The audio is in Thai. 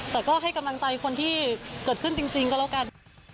แต่ก็ให้กำลังใจคนที่เกิดขึ้นจริงก็แล้วกัน